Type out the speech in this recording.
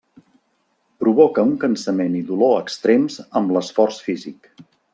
Provoca un cansament i dolor extrems amb l'esforç físic.